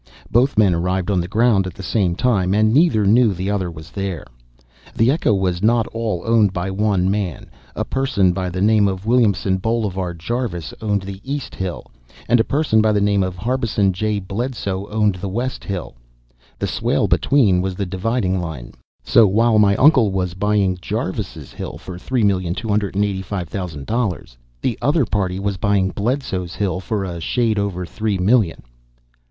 Both men arrived on the ground at the same time, and neither knew the other was there. The echo was not all owned by one man; a person by the name of Williamson Bolivar Jarvis owned the east hill, and a person by the name of Harbison J. Bledso owned the west hill; the swale between was the dividing line. So while my uncle was buying Jarvis's hill for three million two hundred and eighty five thousand dollars, the other party was buying Bledso's hill for a shade over three million.